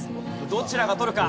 どちらが取るか。